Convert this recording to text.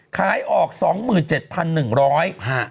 ขายออก๒๗๑๐๐บาท